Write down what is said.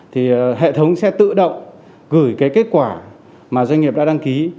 thì hệ thống sẽ tự động gửi cái kết quả mà doanh nghiệp đã đăng ký